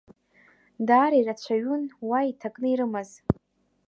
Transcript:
Даара ирацәаҩын уа иҭакны ирымаз.